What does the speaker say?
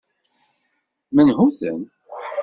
Menhu-ten?